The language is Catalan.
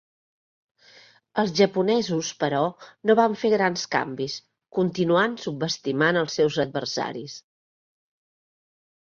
Els japonesos, però, no van fer grans canvis, continuant subestimant els seus adversaris.